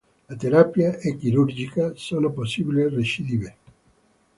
La terapia è chirurgica, sono possibili recidive.